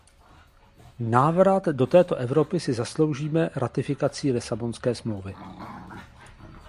Návrat do této Evropy si zasloužíme ratifikací Lisabonské smlouvy.